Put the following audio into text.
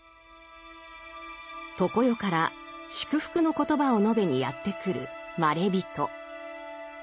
常世から「祝福の言葉」を述べにやって来るまれびと。